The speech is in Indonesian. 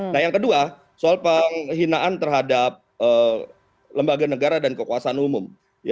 nah yang kedua soal penghinaan terhadap lembaga negara dan kekuasaan umum